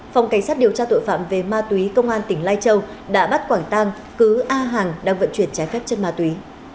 phòng cảnh sát điều tra tội phạm về ma túy công an tỉnh lai châu đã bắt quảng tang cứ a hàng đang vận chuyển trái phép chất ma túy